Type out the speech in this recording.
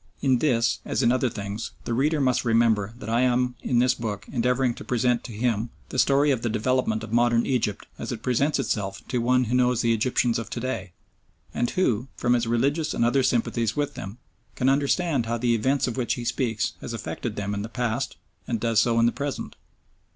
In this, as in other things, the reader must remember that I am in this book endeavouring to present to him the story of the development of modern Egypt as it presents itself to one who knows the Egyptians of to day, and who, from his religious and other sympathies with them, can understand how the events of which he speaks has affected them in the past and does so in the present.